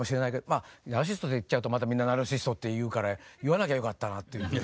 まあナルシストって言っちゃうとまたみんなナルシストって言うから言わなきゃよかったなっていうふうに。